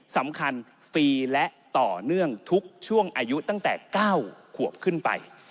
ฟรีและต่อเนื่องทุกช่วงอายุตั้งแต่๙ขวบขึ้นไป